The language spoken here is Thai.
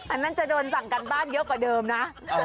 อันนั้นจะโดนสั่งการบ้านเยอะกว่าเดิมนะ